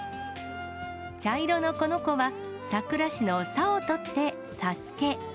茶色のこの子は佐倉市の佐をとって、佐助。